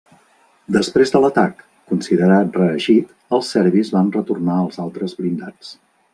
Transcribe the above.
Després de l'atac, considerat reeixit, els serbis van retornar els altres blindats.